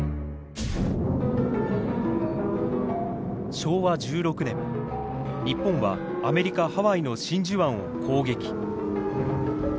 昭和１６年日本はアメリカ・ハワイの真珠湾を攻撃。